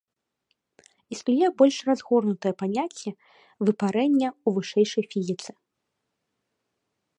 Існуе больш разгорнутае паняцце выпарэння ў вышэйшай фізіцы.